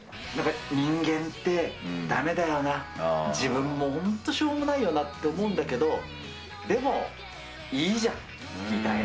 人間ってだめだよな、自分も本当にしょうもないよなって思うんだけど、でもいいじゃんみたいな。